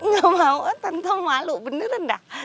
gak mau tante malu beneran dah